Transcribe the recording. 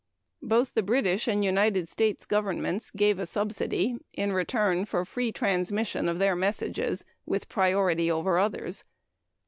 Both the British and United States Governments gave a subsidy, in return for free transmission of their messages, with priority over others.